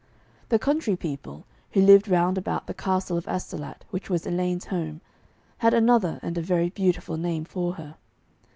The country people, who lived round about the castle of Astolat, which was Elaine's home, had another and a very beautiful name for her.